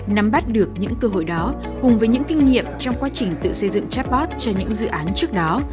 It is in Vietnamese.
nắm bắt được những cơ hội đó cùng với những kinh nghiệm trong quá trình tự xây dựng chatbot cho những dự án trước đó